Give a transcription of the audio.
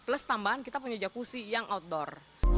plus tambahan kita punya jakusi yang outdoor